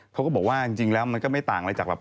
เขาก็บอกว่าจริงแล้วมันก็ไม่ต่างอะไรจากแบบ